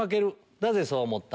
なぜそう思った？